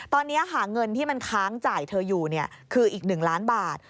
ตอนนี้เงินที่มันค้างจ่ายเธออยู่คืออีก๑ล้านบาท